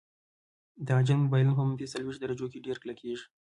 د انجن موبلاین په منفي څلوېښت درجو کې ډیر کلکیږي